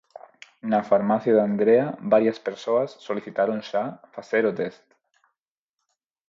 Na farmacia de Andrea varias persoas solicitaron xa facer o test.